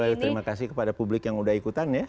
saya boleh terima kasih kepada publik yang sudah ikutan ya